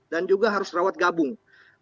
dan juga harus rawat gabung